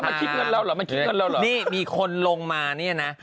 มันคิดกันแล้ว๑๙๗๔เนี่ยมีคนลงมาเนี่ยนะ